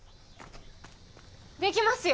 できますよ。